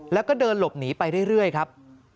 แล้วก็เดินหลบหนีไปเรื่อยครับ